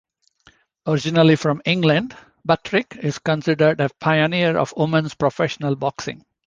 Originally from England, Buttrick is considered a pioneer of women's professional boxing.